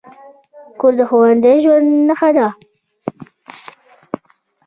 کور د خوندي ژوند نښه ده.